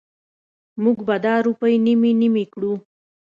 مونږ به دا روپۍ نیمې نیمې کړو.